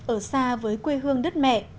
ở xa với quê hương đất mẹ